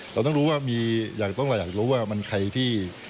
เราต้องรู้ว่ามีอยากรู้ว่ามันใครที่